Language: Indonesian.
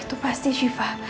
itu pasti syifa